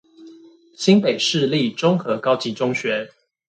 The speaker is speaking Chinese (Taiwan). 新北市立中和高級中學